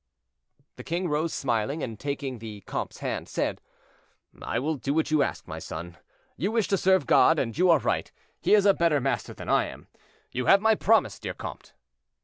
The king rose smiling, and taking the comte's hand, said— "I will do what you ask, my son. You wish to serve God, and you are right; he is a better master than I am. You have my promise, dear comte."